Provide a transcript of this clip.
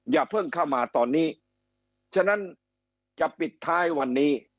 อย่าเพิ่งเข้ามาตอนนี้ฉะนั้นจะปิดท้ายวันนี้